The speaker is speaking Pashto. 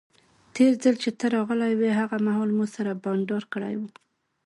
تیر ځل چې ته راغلی وې هغه مهال مو سره بانډار کړی وو.